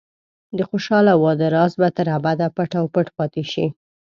د خوشحاله واده راز به تر ابده پټ او پټ پاتې شي.